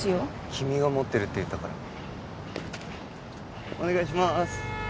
君が持ってるって言ったからお願いします